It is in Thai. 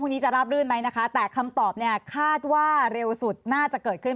นี้จะราบรื่นไหมนะคะแต่คำตอบเนี่ยคาดว่าเร็วสุดน่าจะเกิดขึ้น